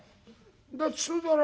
だってそうだろ？